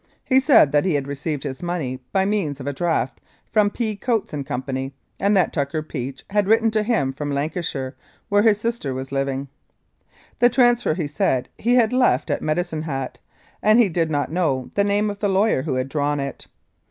He said that he had received his money by means of a draft from P. Coats & Co., and that Tucker Peach had written to him from Lancashire where his sister was living. The transfer he said he had left at Medi cine Hat, and he did not know the name of the lawyer who had drawn it.